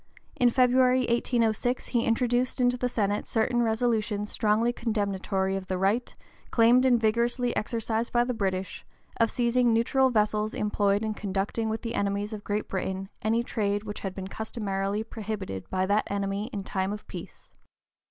In February, 1806, he introduced into the Senate certain resolutions strongly condemnatory of the right, claimed and vigorously exercised by the British, (p. 039) of seizing neutral vessels employed in conducting with the enemies of Great Britain any trade which had been customarily prohibited by that enemy in time of peace.